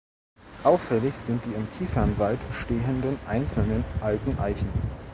Auffällig sind die im Kiefernwald stehenden einzelnen alten Eichen.